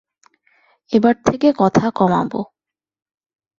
এবার থেকে কথা কমাব।